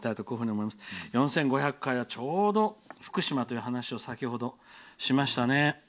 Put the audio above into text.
４５００回はちょうど福島という話を先ほどしましたね。